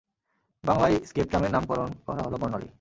বাংলায় স্কেপট্রামের নামকরণ করা হলো বর্ণালী।